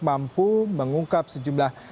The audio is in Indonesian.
mampu mengungkap sejumlah